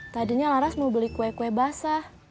tadinya laras mau beli kue kue basah